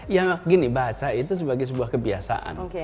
ya gini baca itu sebagai sebuah kebiasaan